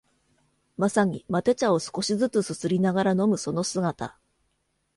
まさにマテ茶を少しづつすすりながら飲むその姿